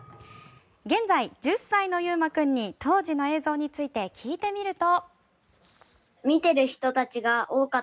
現在１０歳の悠真君に当時の映像について聞いてみると。